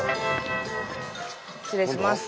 失礼します。